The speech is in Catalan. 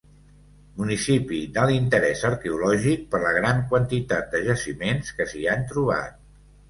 Municipi d'alt interés arqueològic per la gran quantitat de jaciments que s'hi han trobat.